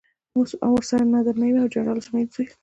او ورسره نادر نعيم او د جنرال اسماعيل زوی.